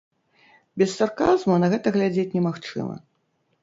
Без сарказму на гэта глядзець немагчыма.